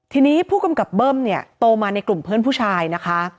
ทีนี้ผู้กำกับเบิ้มเนี่ยโตมาในกลุ่มเพื่อนผู้ชายนะคะ